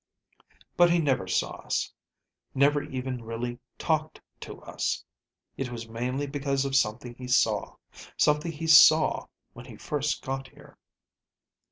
But he never saw us, never even really talked to us. It was mainly because of something he saw, something he saw when he first got here."